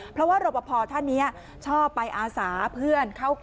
เพราะว่ารบพอท่านนี้ชอบไปอาสาเพื่อนเข้ากับ